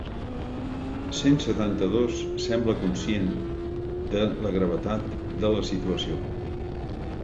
Cent setanta-dos sembla conscient de la gravetat de la situació.